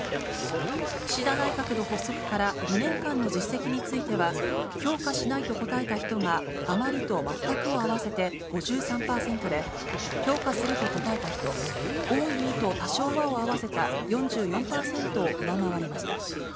岸田内閣の発足から２年間の実績については、評価しないと答えた人があまりと全くを合わせて５３％で、評価すると答えた人、大いにと多少はを合わせた４４％を上回りました。